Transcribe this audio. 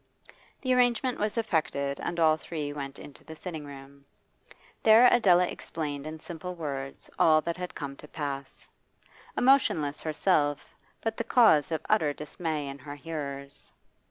The arrangement was effected and all three went into the sitting room. There Adela explained in simple words all that had come to pass; emotionless herself, but the cause of utter dismay in her hearers.